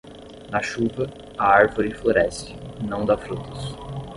Na chuva, a árvore floresce, não dá frutos.